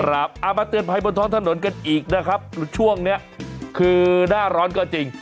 เอามาเตือนภัยบนท้องถนนกันอีกนะครับช่วงนี้คือหน้าร้อนก็จริง